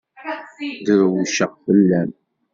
Drewceɣ fell-am.